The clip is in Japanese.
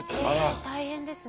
え大変ですね。